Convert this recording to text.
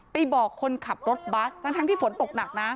ไปบอกคนขับรถบัสทั้งที่ฝนตกหนักนะ